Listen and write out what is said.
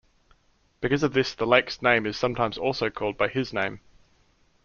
Because of this the lake's name is sometimes also called by his name.